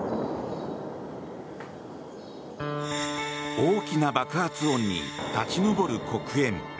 大きな爆発音に立ち上る黒煙。